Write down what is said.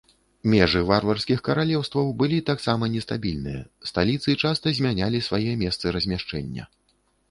Межы варварскіх каралеўстваў былі таксама нестабільныя, сталіцы часта змянялі свае месцы размяшчэння.